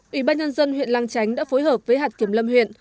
ủy ban nhân dân huyện lang chánh đã phối hợp với hạt kiểm lâm huyện